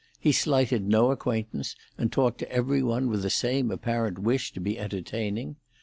He slighted no acquaintance, and talked to every one with the same apparent wish to be entertaining.